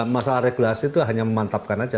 masalah regulasi itu hanya memantapkan saja